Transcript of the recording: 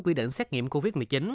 quy định xét nghiệm covid một mươi chín